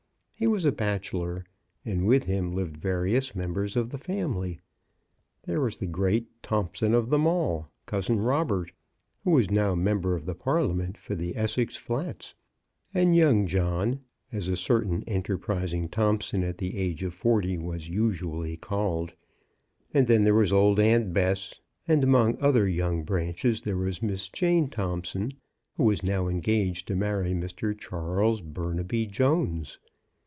He was a bachelor, and with him lived various members of the family. There was the great Thompson of them all. Cousin Robert, who was now member of Parliament for the Essex Flats ; and young John, as a certain enterprising Thompson of the age of forty was usually called ; and then there was old Aunt Bess ; and among other young branches there was Miss Jane Thompson, who was now engaged to marry Mr. Charles Burnaby Jones.